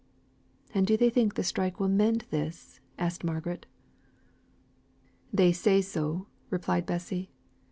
"And do they think the strike will mend this?" asked Margaret. "They say so," replied Bessy.